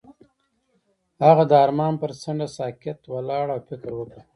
هغه د آرمان پر څنډه ساکت ولاړ او فکر وکړ.